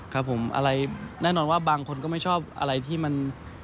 ครับผมอะไรแน่นอนว่าบางคนก็ไม่ชอบอะไรที่มัน